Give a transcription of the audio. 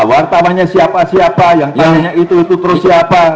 wartawannya siapa siapa yang tanya itu itu terus siapa